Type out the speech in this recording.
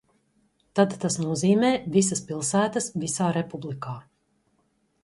Tad tas nozīmē visas pilsētas visā republikā.